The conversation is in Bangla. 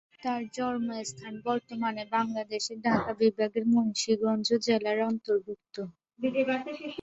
তার জন্মস্থান বর্তমানে বাংলাদেশের ঢাকা বিভাগের মুন্সিগঞ্জ জেলার অন্তর্গত।